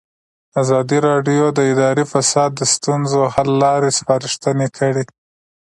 ازادي راډیو د اداري فساد د ستونزو حل لارې سپارښتنې کړي.